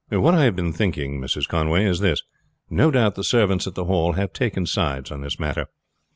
"What I have been thinking, Mrs. Conway is this. No doubt the servants at the Hall have taken sides on this matter.